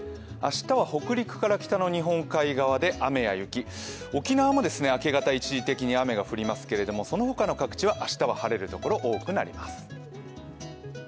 明日は北陸から北の日本海側で雨や雪、沖縄も明け方一時的に雨が降りますがその他の各地は明日は晴れる所が多くなります。